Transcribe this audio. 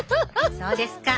そうですか。